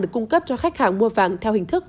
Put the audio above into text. được cung cấp cho khách hàng mua vàng theo hình thức